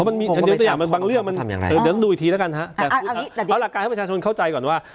บางเรื่องเดี๋ยวเราดูอีกทีแล้วกันครับเอาหลักการให้ประชาชนเข้าใจก่อนว่า